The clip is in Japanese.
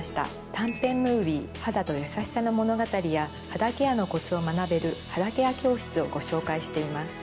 短編ムービー『肌とやさしさの物語』や肌ケアのコツを学べる肌ケア教室をご紹介しています。